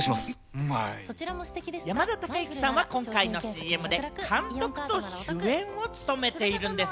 山田孝之さんは今回のＣＭで監督と主演を務めているんです。